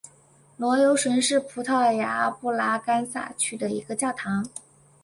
罗尤什是葡萄牙布拉干萨区的一个堂区。